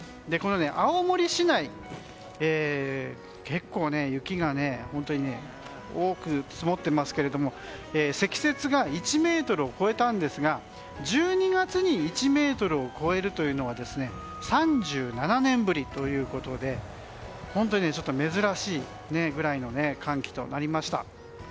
青森市内、結構雪が本当に多く積もっていますが積雪が１ｍを超えたんですが１２月に１ｍを超えるというのは３７年ぶりということで本当に珍しいぐらいの寒気となりました。